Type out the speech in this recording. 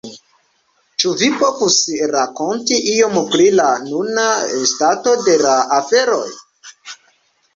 Ĉu vi povus rakonti iom pri la nuna stato de la aferoj?